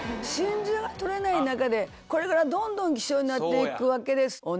真珠が採れない中でこれからどんどん希少になって行くわけです。